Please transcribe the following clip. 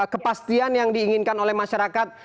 kepastian yang diinginkan oleh masyarakat